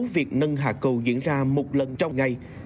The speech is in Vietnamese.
việc nâng hạ cầu diễn ra một lần trong ngày